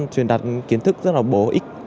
truyền đặt kiến thức rất là bổ ích